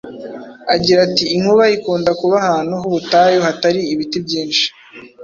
agira ati:“Inkuba ikunda kuba ahantu h’ubutayu hatari ibiti byinshi,